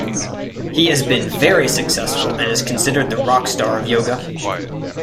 He has been very successful and is considered the rock star of yoga.